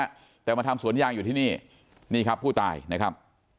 แต่มาทำสวนยางอยู่ที่นี่นี่ครับผู้ตายนะครับ